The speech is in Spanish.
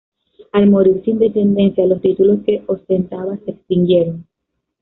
Al morir sin descendencia, los títulos que ostentaba se extinguieron.